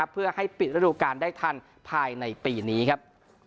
เพื่อให้ปิดระดูการได้ทันภายในปีนี้ครับ